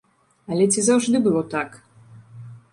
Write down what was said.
Але ці заўжды было так?